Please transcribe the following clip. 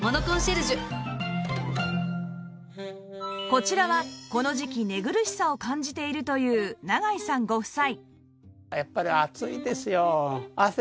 こちらはこの時季寝苦しさを感じているという永井さんご夫妻